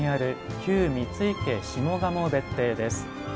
旧三井家下鴨別邸です。